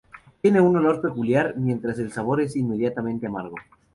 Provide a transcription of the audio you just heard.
No tiene un olor peculiar, mientras el sabor es inmediatamente amargo.